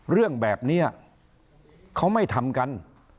เรื่องแบบนี้เขาไม่ทำกัน